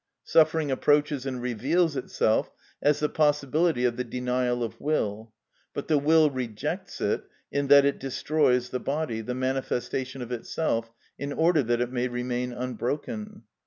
Suffering approaches and reveals itself as the possibility of the denial of will; but the will rejects it, in that it destroys the body, the manifestation of itself, in order that it may remain unbroken.